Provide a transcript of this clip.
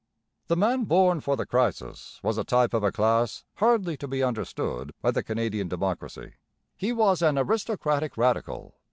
The man born for the crisis was a type of a class hardly to be understood by the Canadian democracy. He was an aristocratic radical.